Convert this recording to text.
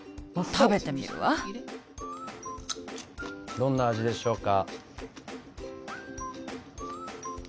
どんな味でしょうか？